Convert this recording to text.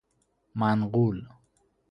منقول